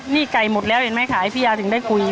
นี่ไก่หมดแล้วเห็นไหมขายพี่ยาถึงได้คุย